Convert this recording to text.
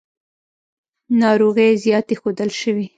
ناروغۍ زیاتې ښودل شوې.